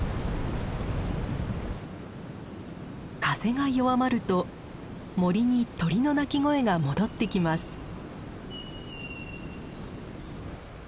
風が弱まると森に鳥の鳴き声が戻ってきます。